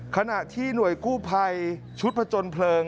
ขณะที่หน่วยกู้ภัยชุดผจญเพลิง